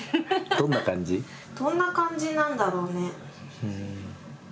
どんな感じなんだろうね？